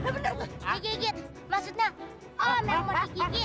gigit gigit maksudnya oh merenggak digigit